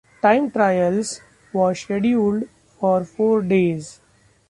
Time trials was scheduled for four days.